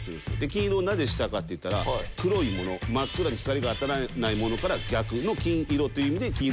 金色になぜしたかっていったら黒いもの真っ暗で光が当たらないものから逆の金色という意味で金色のうんこ。